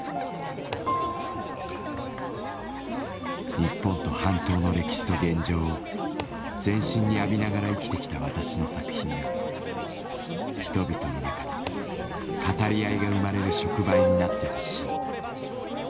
「日本と半島の歴史と現状を全身に浴びながら生きてきた私の作品が人々の中で語り合いが生まれる触媒になってほしい」。